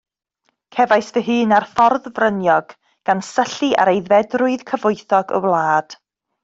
Cefais fy hun ar ffordd fryniog, gan syllu ar aeddfedrwydd cyfoethog y wlad.